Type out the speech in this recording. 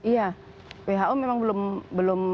iya who memang belum